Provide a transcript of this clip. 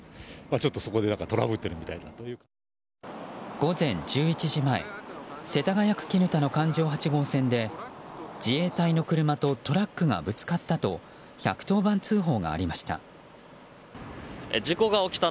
午前１１時前世田谷区砧の環状８号線で自衛隊の車とトラックがぶつかったと１１０番通報がありました。